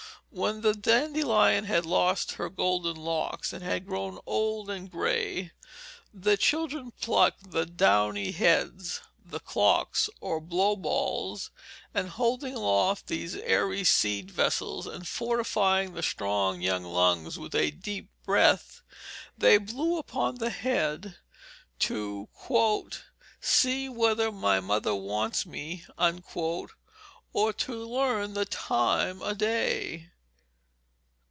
When the dandelion had lost her golden locks, and had grown old and gray, the children still plucked the downy heads, the "clocks" or blowballs, and holding aloft these airy seed vessels, and fortifying the strong young lungs with a deep breath, they blew upon the head "to see whether my mother wants me," or to learn the time o' day.